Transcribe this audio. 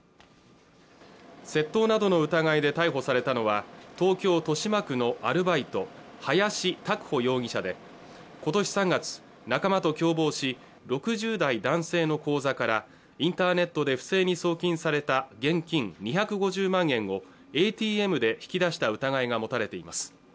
窃盗などの疑いで逮捕されたのは東京豊島区のアルバイト林沢凡容疑者でことし３月仲間と共謀し６０代男性の口座からインターネットで不正に送金された現金２５０万円をＡＴＭで引き出した疑いが持たれています